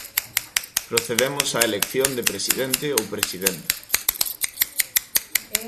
Procedemos á elección de presidente ou presidenta.